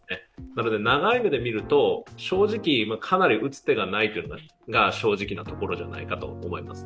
だけど、長い目で見るとかなり打つ手がないというのが正直なところじゃないかと思います。